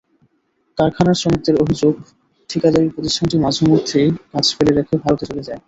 কারখানার শ্রমিকদের অভিযোগ, ঠিকাদারি প্রতিষ্ঠানটি মাঝেমধ্যেই কাজ ফেলে রেখে ভারতে চলে যায়।